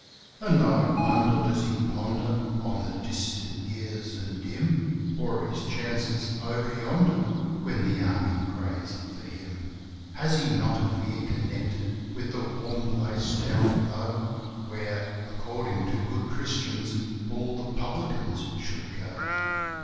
And I wonder does he ponder on the distant years and dim, Or his chances over yonder, when the Army prays for him? Has he not a fear connected with the warm place down below, Where, according to good Christians, all the publicans should go?